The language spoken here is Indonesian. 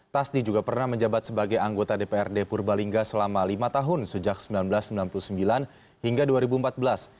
tasdi juga pernah menjabat sebagai anggota dprd purbalingga selama lima tahun sejak seribu sembilan ratus sembilan puluh sembilan hingga dua ribu empat belas